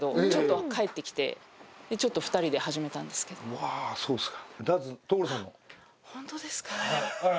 うわそうっすか。